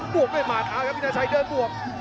บวกด้วยหมัดอ้าวครับอินทาชัยเดินบวก